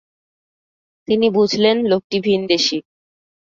তিনি বুঝলেন, লোকটি ভিনদেশী।